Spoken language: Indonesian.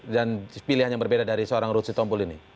dan pilihannya berbeda dari seorang ruhut sitombul ini